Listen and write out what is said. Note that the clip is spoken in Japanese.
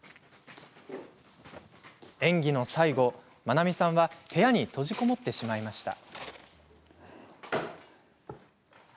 演技の最後、まなみさんは部屋に閉じこもってしまいました。